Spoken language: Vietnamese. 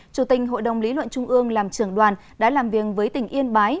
chủ tình hội đồng lý luận trung ương làm trưởng đoàn đã làm việc với tỉnh yên bái